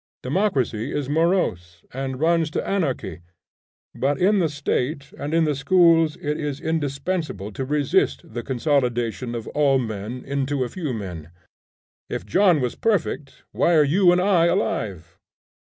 Democracy is morose, and runs to anarchy, but in the State and in the schools it is indispensable to resist the consolidation of all men into a few men. If John was perfect, why are you and I alive?